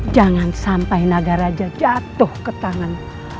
jangan sampai naga raja jatuh ke tangan